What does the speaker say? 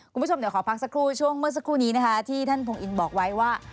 คุณผู้ชมเดี๋ยวขอพักสักครู่ช่วงเมื่อสักครู่นี้นะคะที่ท่านพงอินบอกไว้ว่า